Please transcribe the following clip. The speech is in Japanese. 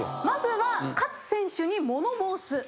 まずは勝選手に物申す。